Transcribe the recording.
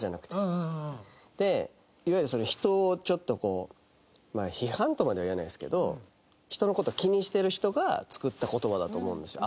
うんうんうんうん。でいわゆる人をちょっとこう批判とまでは言わないですけど人の事を気にしてる人が作った言葉だと思うんですよ